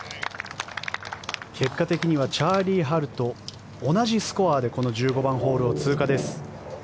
結果的にはチャーリー・ハルと同じスコアでこの１５番ホールを通過です。